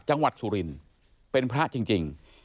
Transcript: จังหวัดสุรินเป็นพระจริง